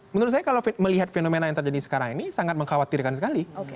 menurut saya kalau melihat fenomena yang terjadi sekarang ini sangat mengkhawatirkan sekali